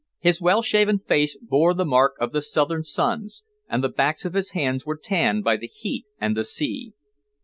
His well shaven face bore the mark of the southern suns, and the backs of his hands were tanned by the heat and the sea.